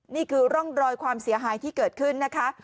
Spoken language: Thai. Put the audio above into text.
นี่คือร่องรอยความเสียหายที่เกิดขึ้นนะคะ